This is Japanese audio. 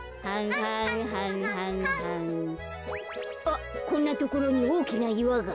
あっこんなところにおおきないわが。